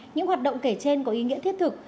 những hoạt động kể trên có ý nghĩa thiết thực